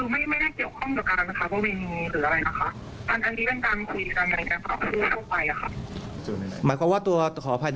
มีวัตถุประสงค์เพื่อนนัดกันแต่ไม่มีสำคัญวิธีการพอค่ะ